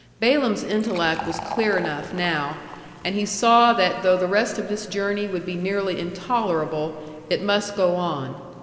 Balaam's intellect was clear enough now, and he saw that though the rest of this journey would be nearly intolerable, it must go on.